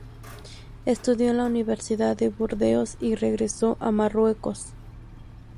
Estudió en la Universidad de Burdeos y regresó a Marruecos.